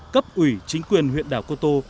cấp ủy chính quyền huyện đảo cô tô